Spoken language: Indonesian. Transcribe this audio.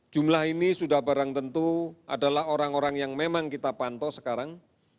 jumlah ini sudah barang tentu adalah orang orang yang memang kita pantau sekarang